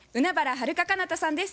はるか・かなたさんです。